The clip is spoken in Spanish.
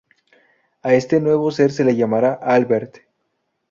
A este nuevo ser le llamará Albert.